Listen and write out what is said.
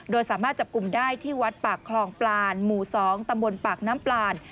โดยสามารถจับกลุ่มได้ที่วัดปากคลองปลานหมู่๒ตำบลปากน้ำปลาน